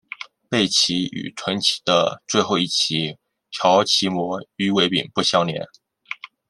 背鳍与臀鳍的最后一鳍条鳍膜与尾柄不相连。